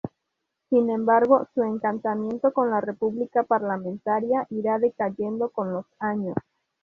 Sin embargo, su encantamiento con la República Parlamentaria irá decayendo con los años.